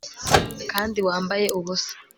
kandi wambaye ubusa